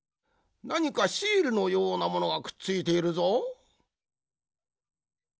なにかシールのようなものがくっついているぞ。